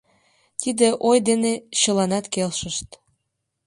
Тиде ой дене чыланат келшышт.